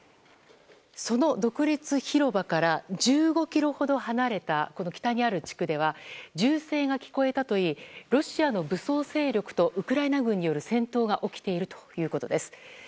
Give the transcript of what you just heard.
その独立広場から１５ｋｍほど離れた北にある地区では銃声が聞こえたといいロシアの武装勢力とウクライナ軍による戦闘が起きているということです。